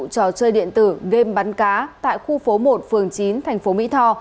trò chơi điện tử game bắn cá tại khu phố một phường chín thành phố mỹ tho